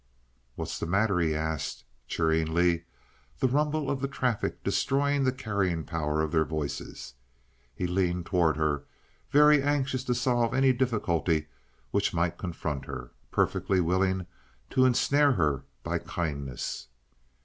"What's the matter?" he asked, cheeringly, the rumble of the traffic destroying the carrying power of their voices. He leaned toward her, very anxious to solve any difficulty which might confront her, perfectly willing to ensnare her by kindness.